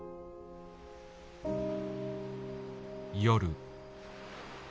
夜。